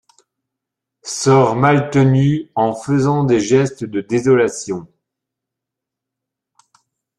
Sort Maltenu en faisant des gestes de désolation.